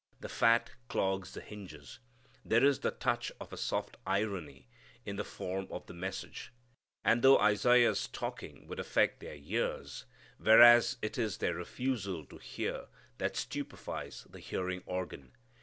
The fat clogs the hinges. There is the touch of a soft irony in the form of the message. As though Isaiah's talking would affect their ears, whereas it is their refusal to hear that stupefies the hearing organ.